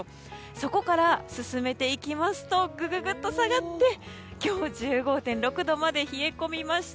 そこから進めていきますとググっと下がって今日、１５．６度まで冷え込みました。